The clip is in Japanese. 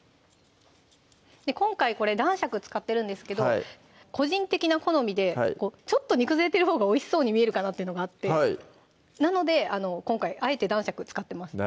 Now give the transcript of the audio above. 今回これ男爵使ってるんですけど個人的な好みでちょっと煮崩れてるほうがおいしそうに見えるかなっていうのがあってなので今回あえて男爵使ってます